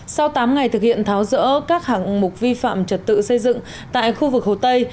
sau tám ngày thực hiện tháo rỡ các hạng mục vi phạm trật tự xây dựng tại khu vực hồ tây